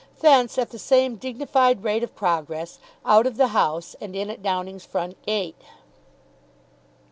Thence, at the same dignified rate of progress, out of the house and in at Downing's front gate.